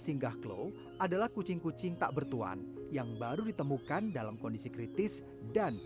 singgah klo adalah kucing kucing tak bertuan yang baru ditemukan dalam kondisi kritis dan